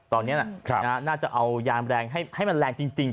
ตอนนี้น่าจะเอายานแรงให้มันแรงจริง